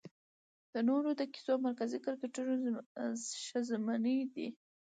د نورو د کيسو مرکزي کرکټرونه ښځمنې دي